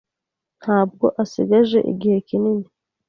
ntabwo asigaje igihe kinini.